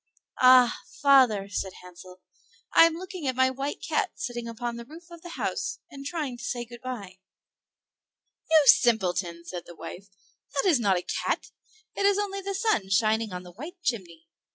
"Ah! father," said Hansel, "I am looking at my white cat sitting upon the roof of the house, and trying to say good by." "You simpleton!" said the wife, "that is not a cat; it is only the sun shining on the white chimney."